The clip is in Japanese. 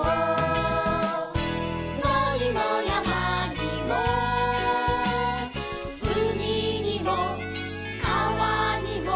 「のにもやまにもうみにもかわにも」